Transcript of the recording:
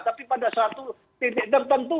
tapi pada suatu titik tertentu